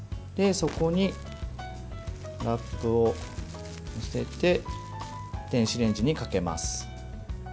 そこに、ラップを載せて電子レンジにかけます。